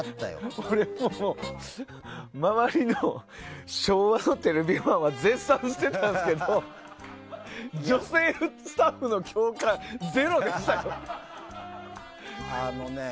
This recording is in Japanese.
俺も周りの昭和のテレビマンは絶賛してたんですけど女性スタッフの共感はゼロでしたね。